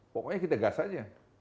pokoknya kita gas saja